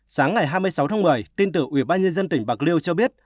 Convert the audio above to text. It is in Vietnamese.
sáng ngày hai mươi sáu tháng một mươi tin từ ủy ban nhân dân tỉnh bạc liêu cho biết